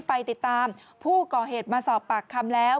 ไปติดตามผู้ก่อเหตุมาสอบปากคำแล้ว